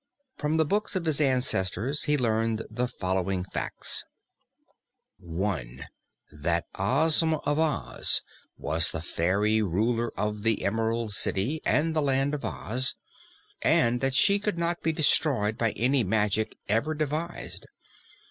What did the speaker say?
From the books of his ancestors, he learned the following facts: (1) That Ozma of Oz was the fairy ruler of the Emerald City and the Land of Oz and that she could not be destroyed by any magic ever devised.